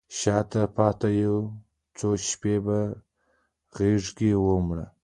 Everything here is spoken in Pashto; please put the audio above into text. شاته پاته یو څو شپې په غیږکې وړمه